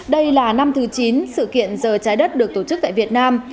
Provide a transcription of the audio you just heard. đây là năm thứ chín sự kiện giờ trái đất được tổ chức tại việt nam